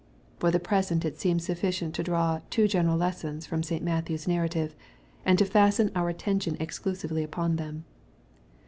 For the present it seems sufficient to draw two general lessons from St. Matthew's narrative, and to fasten our attention exclu sively upon them.